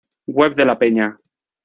Web de la Peña